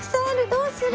どうする？